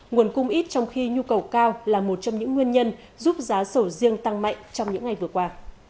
nguồn cung ít trong khi nhu cầu cao là một trong những nguyên nhân giúp giá sầu riêng tăng mạnh trong những ngày vừa qua